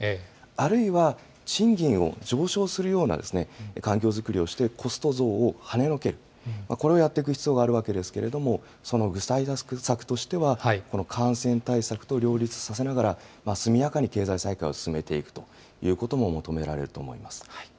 あるいは、賃金を上昇するような環境作りをして、コスト増をはねのける、これをやっていく必要があるわけですけれども、その具体策としては、この感染対策と両立させながら、速やかに経済再開を進めていくということも求められると思います。